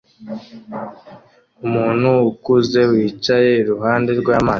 Umuntu ukuze wicaye iruhande rwamazi